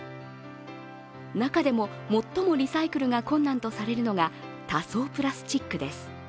中でも最もリサイクルが困難とされるのが多層プラスチックです。